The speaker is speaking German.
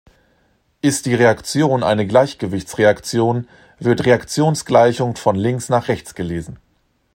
Ist die Reaktion eine Gleichgewichtsreaktion, wird Reaktionsgleichung von links nach rechts gelesen.